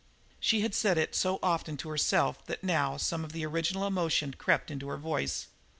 She had said it so often to herself that now some of the original emotion crept into her voice.